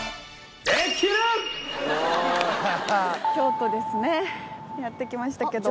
京都ですねやって来ましたけども。